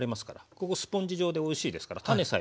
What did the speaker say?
ここスポンジ状でおいしいですから種さえ取ればね